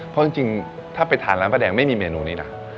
เพราะจริงถ้าไปทานร้านป้าแดงไม่มีเมนูนี้นะ